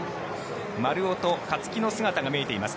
丸尾と勝木の姿が見えています。